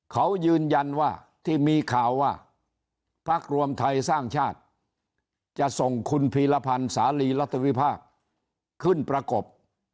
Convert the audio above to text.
เขายืนยันว่าที่มีข่าวว่าพักรวมไทยสร้างชาติจะส่งคุณพีรพันธ์สาลีรัฐวิพากษ์ขึ้นประกบ